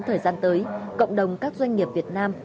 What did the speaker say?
thời gian tới cộng đồng các doanh nghiệp việt nam